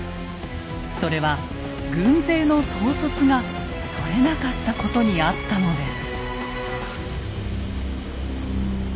それは軍勢の統率がとれなかったことにあったのです。